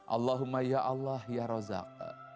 allahumma ya allah ya rozak